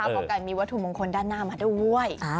กไก่มีวัตถุมงคลด้านหน้ามาด้วย